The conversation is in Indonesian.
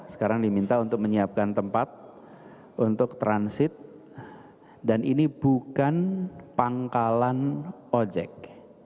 sekarang diminta untuk menyiapkan tempat untuk transit dan ini bukan pangkalan ojek